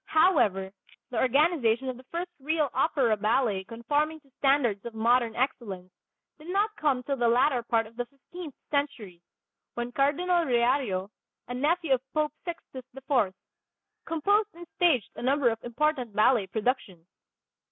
However, the organization of the first real opera ballet conforming to standards of modern excellence did not come till the latter part of the fifteenth century, when Cardinal Riario, a nephew of Pope Sixtus IV, composed and staged a number of important ballet productions.